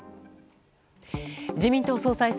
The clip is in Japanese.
自民党総裁選。